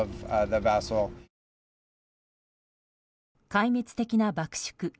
壊滅的な爆縮。